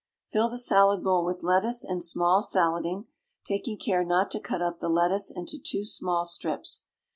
Fill the salad bowl with lettuce and small salading, taking care not to cut up the lettuce into too small strips.